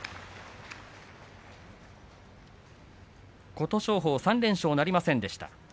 琴勝峰、３連勝なりませんでした。